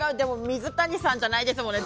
水谷さんじゃないですもんね。